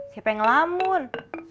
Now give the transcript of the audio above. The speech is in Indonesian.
siapa yang ngelamun